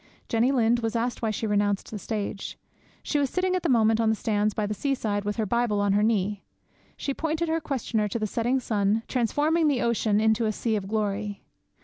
Jenny Lind was asked why she renounced the stage. She was sitting at the moment on the sands by the seaside, with her Bible on her knee. She pointed her questioner to the setting sun, transforming the ocean into a sea of glory.